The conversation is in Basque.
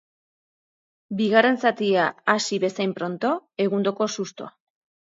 Bigarren zatia hasi bezain pronto, egundoko sustoa.